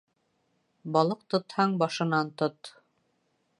Балыҡ тотһаң, башынан тот.